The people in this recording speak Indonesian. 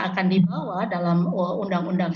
akan dibawa dalam undang undang